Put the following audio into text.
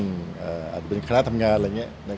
บางทีต้องเป็นคะนาทำงานอะไรอย่างนี้